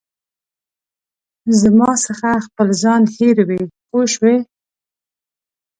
زما څخه خپل ځان هېروې پوه شوې!.